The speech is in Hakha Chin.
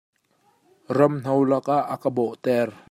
Ram hno lak ah a ka bawh ter.